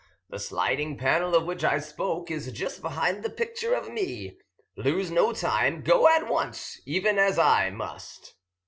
The sliding panel of which I spoke is just behind the picture of me. Lose no time. Go at once, even as I must."